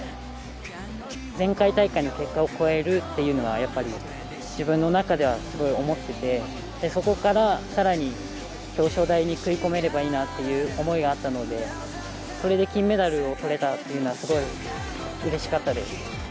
前回大会の結果を超えるっていうのは、やっぱり自分の中ではすごい思ってて、そこから、さらに表彰台に食い込めればいいなっていう思いがあったので、それで金メダルをとれたっていうのは、すごいうれしかったです。